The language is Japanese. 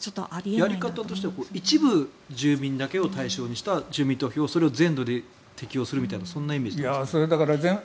やり方としては一部住民だけを対象にした住民投票を全土で適用するみたいなイメージですか。